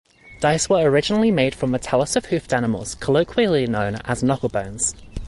Dice were originally made from the talus of hoofed animals, colloquially known as "knucklebones".